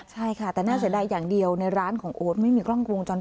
ใช่ค่ะแต่น่าเสียดายอย่างเดียวในร้านของโอ๊ตไม่มีกล้องวงจร